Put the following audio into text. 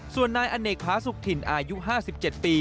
ส่วนนายอเนกผาสุขถิ่นอายุ๕๗ปี